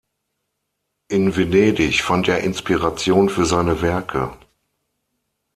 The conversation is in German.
In Venedig fand er Inspiration für seine Werke.